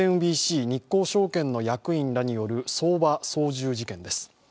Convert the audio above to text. ＳＭＢＣ日興証券の役員らによる相場操縦事件です。